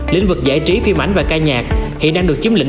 lĩnh vực giải trí phim ảnh và ca nhạc hiện đang được chiếm lĩnh